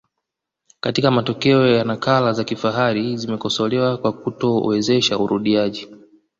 katika matokeo na nakala za kifahari zimekosolewa kwa kutowezesha urudiaji